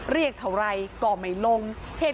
เรียกเท่าไรก็ไม่ลง